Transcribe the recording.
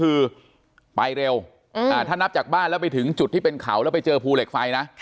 คือไปเร็วถ้านับจากบ้านแล้วไปถึงจุดที่เป็นเขาแล้วไปเจอภูเหล็กไฟนะ